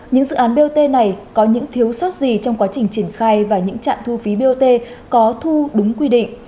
những dự án bot này có những thiếu sót gì trong quá trình triển khai và những trạm thu phí bot có thu đúng quy định